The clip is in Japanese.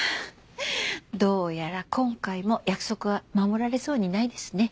どうやら今回も約束は守られそうにないですね。